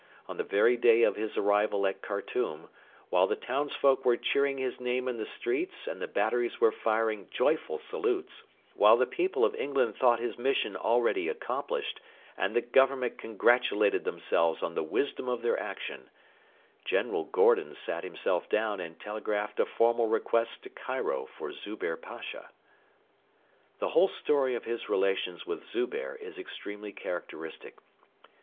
On the very day of his arrival at Khartoum, while the townsfolk were cheering his name in the streets and the batteries were firing joyful salutes, while the people of England thought his mission already accomplished and the Government congratulated themselves on the wisdom of their action, General Gordon sat himself down and telegraphed a formal request to Cairo for Zubehr Pasha. The whole story of his relations with Zubehr is extremely characteristic.